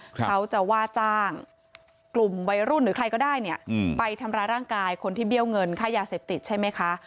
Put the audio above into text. เขาจะว่าจ้างกลุ่มวัยรุ่นหรือใครก็ได้เนี่ยไปทำร้ายร่างกายคนที่เบี้ยวเงินค่ายาเสพติดใช่ไหมคะ